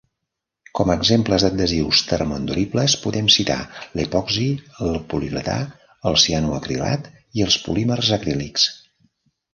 Com a exemples d'adhesius termoenduribles podem citar l'epoxi, el poliuretà, el cianoacrilat i els polímers acrílics.